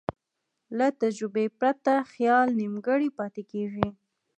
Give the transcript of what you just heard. له تجربې پرته خیال نیمګړی پاتې کېږي.